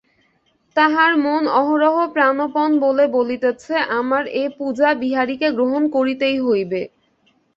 তাহার মন অহরহ প্রাণপণ বলে বলিতেছে, আমার এ পূজা বিহারীকে গ্রহণ করিতেই হইবে।